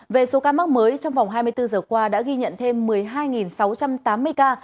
về số ca mắc mới trong vòng hai mươi bốn giờ qua đã ghi nhận thêm một mươi hai sáu trăm tám mươi ca